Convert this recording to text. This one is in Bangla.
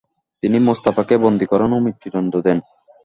তিনি মুস্তাফাকে বন্দী করেন ও মৃত্যুদন্ড দেন।